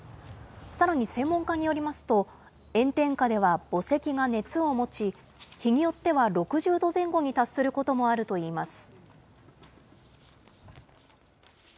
さらに専門家によりますと、炎天下では墓石が熱を持ち、日によっては６０度前後に達することもあるといいます。